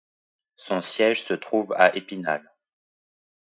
Son siège se trouve à Épinal.